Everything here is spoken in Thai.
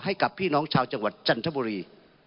ให้กับพี่น้องชาวจังหวัดจันทบุรี